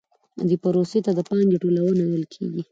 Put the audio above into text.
دې پروسې ته د پانګې ټولونه ویل کېږي